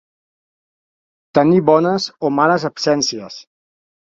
Tenir bones o males absències.